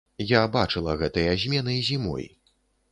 Я бачыла гэтыя змены зімой.